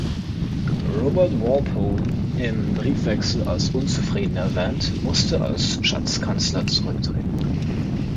Robert Walpole, im Briefwechsel als „Unzufriedener“ erwähnt, musste als Schatzkanzler zurücktreten.